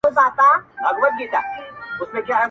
• نه یې خدای او نه یې خلګو ته مخ تور سي,